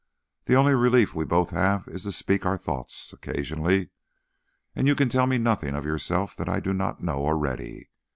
"The only relief we both have is to speak our thoughts occasionally. And you can tell me nothing of yourself that I do not know already.